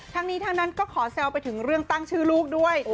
ทั้งนี้ทั้งนั้นก็ขอแซวไปถึงเรื่องตั้งชื่อลูกด้วย